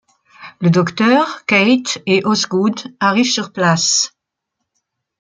Le Docteur, Kate et Osgood arrivent sur place.